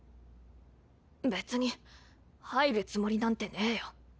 別に入るつもりなんてねよ。